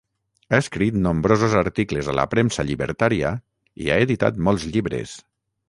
Ha escrit nombrosos articles a la premsa llibertària i ha editat molts llibres.